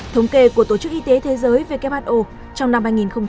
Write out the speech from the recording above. thống kê của tổ chức y tế thế giới who trong năm hai nghìn một mươi sáu